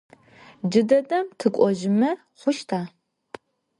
Джыдэдэм тыкӏожьмэ хъущта?